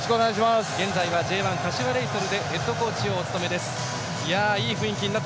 現在はＪ１、柏レイソルでヘッドコーチをお務めです。